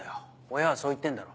親はそう言ってんだろ。